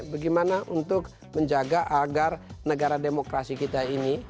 bagaimana untuk menjaga agar negara demokrasi kita ini